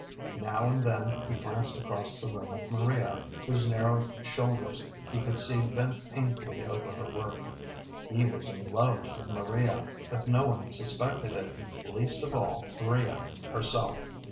Now and then he glanced across the room at Maria, whose narrow shoulders he could see bent painfully over her work. He was in love with Maria, but no one suspected it, least of all Maria herself.